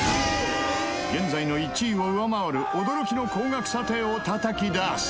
現在の１位を上回る驚きの高額査定をたたき出す！